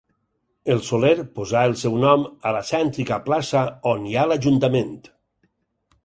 El Soler posà el seu nom a la cèntrica plaça on hi ha l'ajuntament.